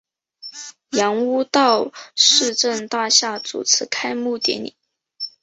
杨屋道市政大厦主持开幕典礼。